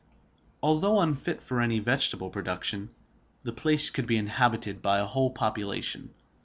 Although unfit for any vegetable production, the place could be inhabited by a whole population.